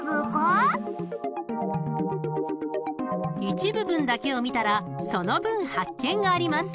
［一部分だけを見たらその分発見があります］